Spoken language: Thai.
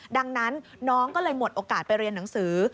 ดังนั้นน้องก็เลยหมดโอกาสไปเรียนหนังสือ